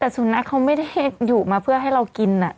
แต่สุนัขเขาไม่ได้อยู่มาเพื่อให้เรากิน